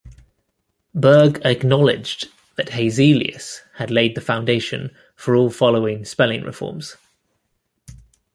Berg acknowledged that Hazelius had laid the foundation for all following spelling reforms.